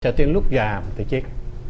trả tiền lúc già thì chết